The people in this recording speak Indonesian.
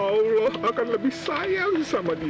allah akan lebih sayang sama dia